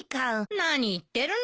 何言ってるの。